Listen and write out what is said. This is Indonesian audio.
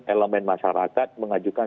elemen masyarakat mengajukan